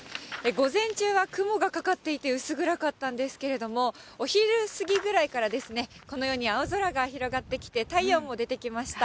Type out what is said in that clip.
午前中は雲がかかっていて、薄暗かったんですけれども、お昼過ぎぐらいからですね、このように青空が広がってきて、太陽も出てきました。